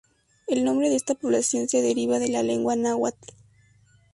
El nombre de esta población se deriva de la lengua náhuatl.